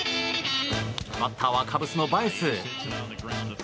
バッターはカブスのバエス。